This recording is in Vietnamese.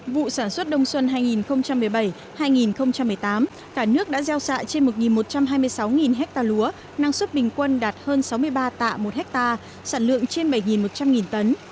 vụ sản xuất đông xuân hai nghìn một mươi bảy hai nghìn một mươi tám cả nước đã gieo xạ trên một một trăm hai mươi sáu ha lúa năng suất bình quân đạt hơn sáu mươi ba tạ một ha sản lượng trên bảy một trăm linh tấn